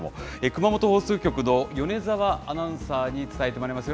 熊本放送局の米澤アナウンサーに伝えてもらいます。